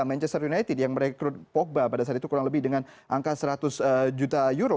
manchester united yang merekrut pogba pada saat itu kurang lebih dengan angka seratus juta euro